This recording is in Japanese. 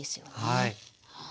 はい。